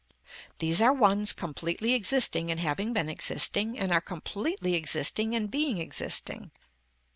These are ones completely existing in having been existing and are completely existing in being existing.